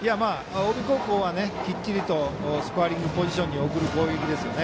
近江高校は、きっちりとスコアリングポジションに送る攻撃ですよね。